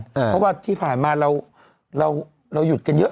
เพราะว่าที่ผ่านมาเราหยุดกันเยอะ